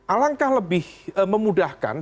alangkah lebih memudahkan